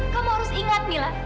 kamu harus ingat kamila